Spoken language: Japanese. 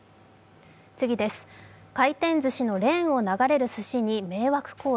回転ずしのレーンを流れるすしに迷惑行為。